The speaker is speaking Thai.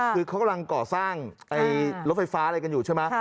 คือเขากำลังก่อสร้างรถไฟฟ้าอะไรกันอยู่ใช่ไหม